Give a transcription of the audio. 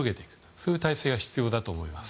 そういう体制が必要だと思います。